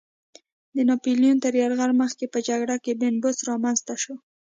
د ناپیلیون تر یرغل مخکې په جګړه کې بن بست رامنځته شو.